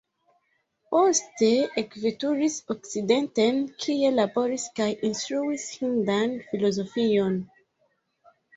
Poste ekveturis okcidenten kie laboris kaj instruis hindan filozofion.